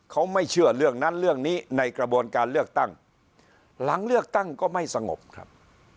เขาไม่เชื่อเรื่องนั้นเรื่องนี้ในกระบวนการเลือกตั้งหลังเลือกตั้งก็ไม่สงบครับ